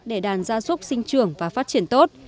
để đàn gia súc sinh trưởng và phát triển tốt